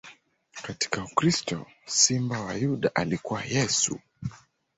Katika ukristo, Simba wa Yuda alikuwa Yesu.